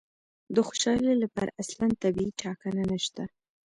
د خوشالي لپاره اصلاً طبیعي ټاکنه نشته.